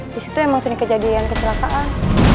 disitu emang sering kejadian kecelakaan